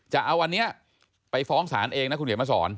จะเอาอันเนี่ยไปฟ้องศาลเองนะคุณเกดมทร